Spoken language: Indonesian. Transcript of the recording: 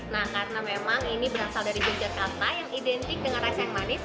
nah karena memang ini berasal dari yogyakarta yang identik dengan rasa yang manis